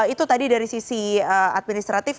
itu tadi dari sisi administratif